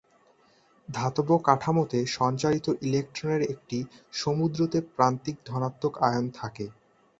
ধাতব কাঠামোতে সঞ্চারিত ইলেক্ট্রনের একটি "সমুদ্র" তে প্রান্তিক ধনাত্মক আয়ন থাকে।